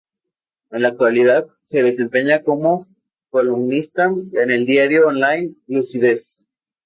En la actualidad, se desempeña como columnista en el diario online "Lucidez".